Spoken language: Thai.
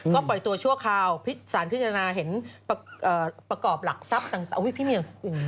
สารพิจารณาเห็นประกอบหลักทรัพย์